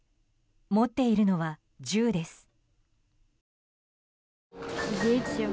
持っているのは銃です。